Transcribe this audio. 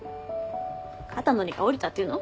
肩の荷が下りたっていうの？